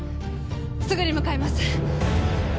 すぐに向かいます